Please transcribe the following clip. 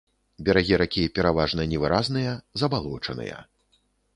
Берагі ракі пераважна невыразныя, забалочаныя.